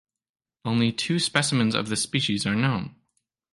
Only two specimens of this species are known.